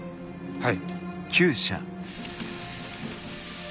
はい。